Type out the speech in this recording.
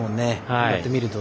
こうやって見ると。